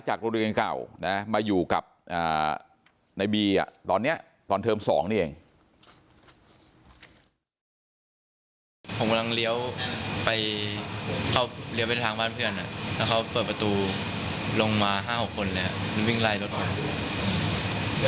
ผมกำลังเลี้ยวไปทางบ้านเพื่อนแล้วเขาเปิดประตูลงมา๕๖คนไปวิ่งไลร์ทดอด